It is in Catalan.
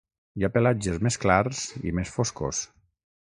Hi ha pelatges més clars i més foscos.